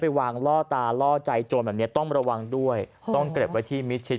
วางล่อตาล่อใจโจรแบบนี้ต้องระวังด้วยต้องเก็บไว้ที่มิดชิด